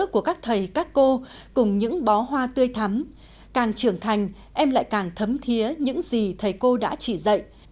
của các thầy các cô cùng những bó hoa tươi thắm càng trưởng thành em lại càng thấm thiế những gì thầy cô đã chỉ dạy